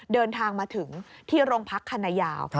เดินทางมาถึงที่โรงพักคณะยาว